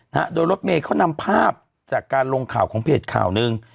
นะฮะโดยรถเมย์เขานำภาพจากการลงข่าวของเพจข่าวหนึ่ง